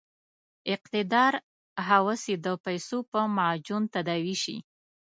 اقتدار هوس یې د پیسو په معجون تداوي شي.